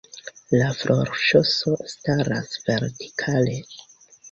La florŝoso staras vertikale.